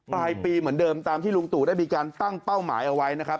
ปลายปีเหมือนเดิมตามที่ลุงตู่ได้มีการตั้งเป้าหมายเอาไว้นะครับ